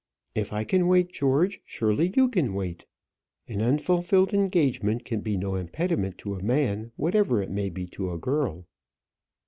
If I can wait, George, surely you can? An unfulfilled engagement can be no impediment to a man, whatever it may be to a girl."